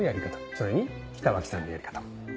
それに北脇さんのやり方。